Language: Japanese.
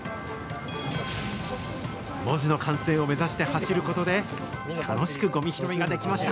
文字の完成を目指して走ることで、楽しくごみ拾いができました。